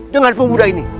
dengan pemuda ini